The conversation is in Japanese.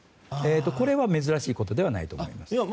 これは珍しいことではないと思います。